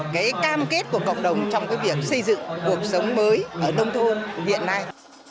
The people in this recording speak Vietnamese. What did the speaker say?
cái cam kết của cộng đồng trong cái việc xây dựng cuộc sống mới ở nông thôn hiện nay